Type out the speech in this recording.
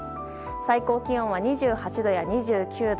最高気温は２８度や２９度。